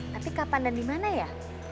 tapi kapan dan dimana ya